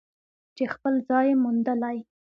چې خپل ځای یې موندلی.